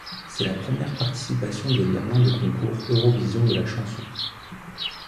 C'est la première participation de l'Irlande au Concours Eurovision de la chanson.